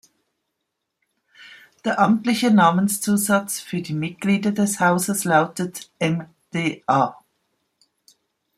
Der amtliche Namenszusatz für die Mitglieder des Hauses lautet "MdA".